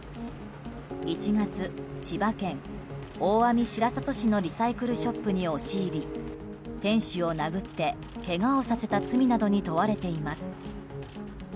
１月、千葉県大網白里市のリサイクルショップに押し入り店主を殴ってけがをさせた罪などに問われています。